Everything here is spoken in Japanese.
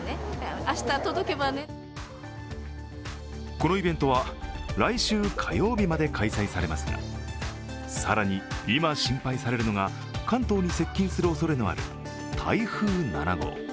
このイベントは来週火曜日まで開催されますが、更に今、心配されるのが関東に接近するおそれのある台風７号。